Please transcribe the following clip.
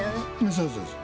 そうそうそう。